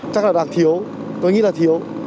chắc là đặc thiếu tôi nghĩ là thiếu